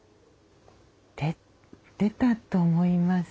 出たと思いますね。